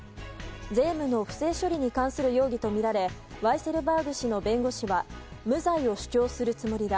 税務の不正処理に関する容疑とみられワイセルバーグ氏の弁護士は無罪を主張するつもりだ。